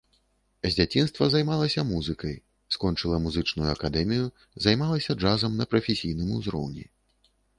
З дзяцінства займалася музыкай, скончыла музычную акадэмію, займалася джазам на прафесійным узроўні.